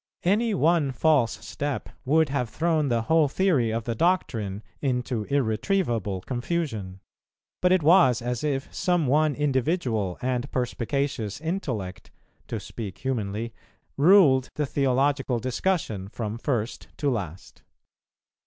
Any one false step would have thrown the whole theory of the doctrine into irretrievable confusion; but it was as if some one individual and perspicacious intellect, to speak humanly, ruled the theological discussion from first to last.